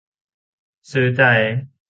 ซื้อใจ